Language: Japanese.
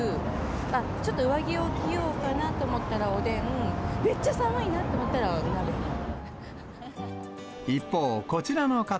あっ、ちょっと上着を着ようかなと思ったらおでん、めっちゃ寒いなと思一方、こちらの方。